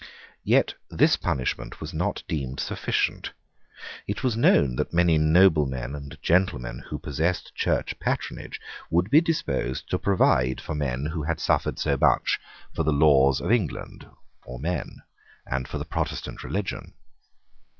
Yet this punishment was not deemed sufficient. It was known that many noblemen and gentlemen who possessed church patronage would be disposed to provide for men who had suffered so much for the laws of England or men and for the Protestant religion.